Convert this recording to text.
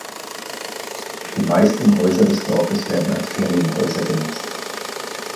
Die meisten Häuser des Dorfes werden als Ferienhäuser genutzt.